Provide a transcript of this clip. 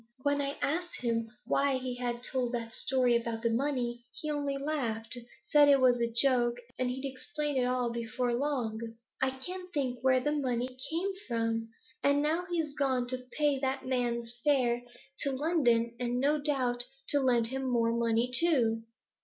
When I asked him why he had told that story about the money, he only laughed said it was a joke, and he'd explain it all before long. I can't think where the money came from! And now he's gone to pay that man's fare to London, and no doubt to lend him more money too.'